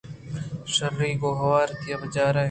شرّ یءَ گوں ہورتی ءَ بچارئے